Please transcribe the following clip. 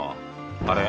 あれ？